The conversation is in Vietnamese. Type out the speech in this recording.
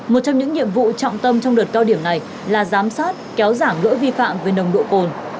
một trong những nhiệm vụ trọng tâm trong đợt cao điểm này là giám sát kéo giảm lỗi vi phạm về nồng độ cồn